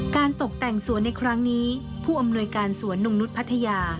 ตกแต่งสวนในครั้งนี้ผู้อำนวยการสวนนงนุษย์พัทยา